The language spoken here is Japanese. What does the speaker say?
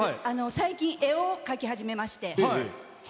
最近、絵を描き始めまして。